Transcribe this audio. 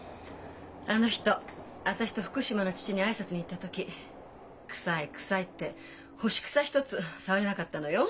あの人私と福島の父に挨拶に行った時「臭い臭い」って干し草一つ触れなかったのよ。